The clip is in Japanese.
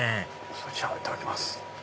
それじゃいただきます